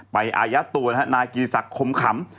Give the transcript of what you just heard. ไปอายะตัวนายกีศักดิ์คมขำ